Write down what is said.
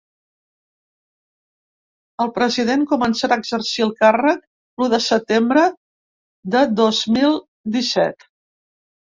El president començarà a exercir el càrrec l’u de setembre de dos mil disset.